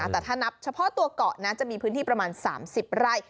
แต่ถ้านับเฉพาะตัวเกาะนะจะมีพื้นที่ประมาณ๓๐ไร่